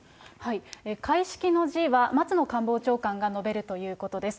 開式の辞は松野官房長官が述べるということです。